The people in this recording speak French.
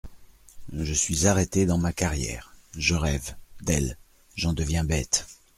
Je suis arrêté dans ma carrière je rêve, d’elle… j’en deviens bête.